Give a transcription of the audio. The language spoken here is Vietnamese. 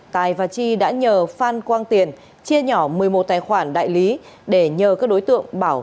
tài và chi đã nhờ phan quang tiền chia nhỏ một mươi một tài khoản đại lý để nhờ các đối tượng bảo